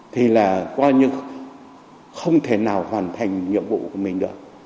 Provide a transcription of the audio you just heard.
thì là coi như không thể nào hoàn thành nhiệm vụ của mình được